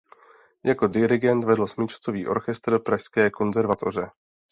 Jako dirigent vedl Smyčcový orchestr Pražské konzervatoře.